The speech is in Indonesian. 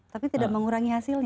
tapi tidak mengurangi hasilnya